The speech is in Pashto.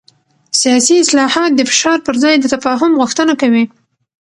سیاسي اصلاحات د فشار پر ځای د تفاهم غوښتنه کوي